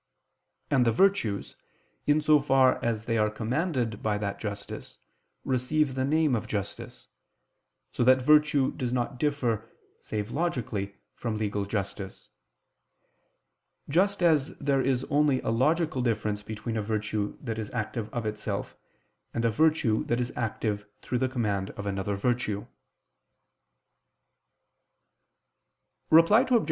And the virtues, in so far as they are commanded by that justice, receive the name of justice: so that virtue does not differ, save logically, from legal justice; just as there is only a logical difference between a virtue that is active of itself, and a virtue that is active through the command of another virtue. Reply Obj.